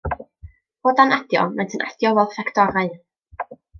O dan adio, maent yn adio fel fectorau.